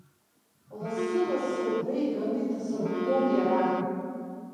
Лассылассы убра иганы иҭасырҳәлон иара.